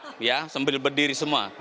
mereka semuanya memang ingin berkunjung dengan